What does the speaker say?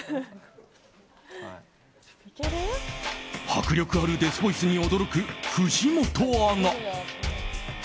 迫力あるデスボイスに驚く藤本アナ。